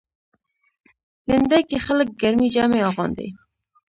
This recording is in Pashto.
لېندۍ کې خلک ګرمې جامې اغوندي.